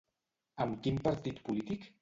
Amb quin partit polític?